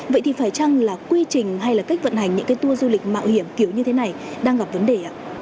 vậy thì phải chăng là quy trình hay là cách vận hành những cái tour du lịch mạo hiểm kiểu như thế này đang gặp vấn đề ạ